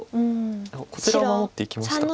こちらを守っていきましたか。